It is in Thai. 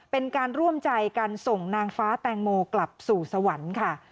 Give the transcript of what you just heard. เป็นการร่วมใจกันส่งนางฟ้าแตงโมกลับสู่สวรรค์ค่ะ